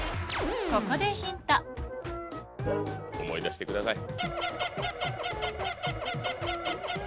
ここでヒント思い出してください。